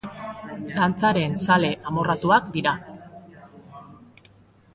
Dantzaren zale amorratuak dira.